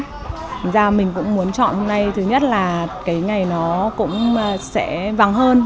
thực ra mình cũng muốn chọn hôm nay thứ nhất là cái ngày nó cũng sẽ vàng hơn